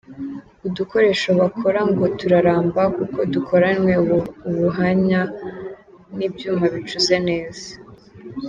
Udukoresho bakora ngo turaramba kuko dukoranywe ubuhanya n’ibyuma bicuze neza.